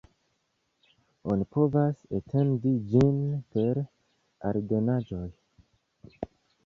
Oni povas etendi ĝin per aldonaĵoj.